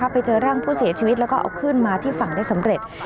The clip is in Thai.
ไปเจอร่างผู้เสียชีวิตแล้วก็เอาขึ้นมาที่ฝั่งได้สำเร็จ